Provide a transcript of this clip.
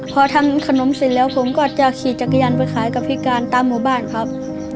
พอทำขนมเสร็จแล้วผมก็จะขี่จักรยานไปขายกับพิการตามหมู่บ้านครับ